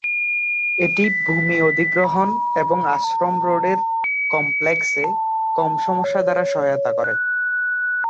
এটি ভূমি অধিগ্রহণ এবং আশ্রম রোডের কমপ্লেক্সে কম সমস্যা দ্বারা সহায়তা করে।